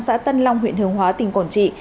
xã tân long huyện hường hóa tỉnh quảng trị